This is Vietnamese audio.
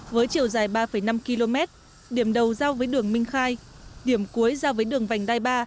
với chiều dài ba năm km điểm đầu giao với đường minh khai điểm cuối giao với đường vành đai ba